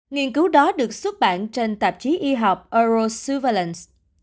nghiên cứu đó được xuất bản trên tạp chí y học eurosuvalence